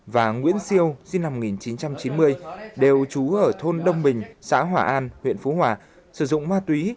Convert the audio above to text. và nguyễn siêu sinh năm một nghìn chín trăm chín mươi đều trú ở thôn đông bình xã hòa an huyện phú hòa sử dụng ma túy